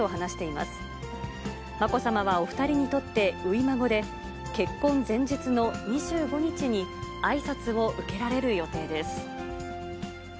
まこさまはお２人にとって初孫で、結婚前日の２５日にあいさつを受けられる予定です。